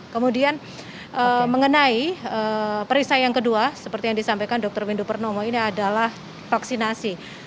kemudian mengenai perisai yang kedua seperti yang disampaikan dr windu purnomo ini adalah vaksinasi